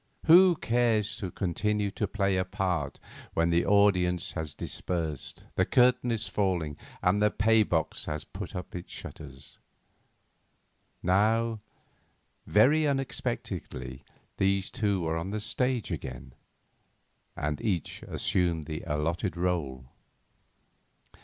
Who cares to continue to play a part when the audience has dispersed, the curtain is falling, and the pay box has put up its shutters? Now, very unexpectedly these two were on the stage again, and each assumed the allotted role.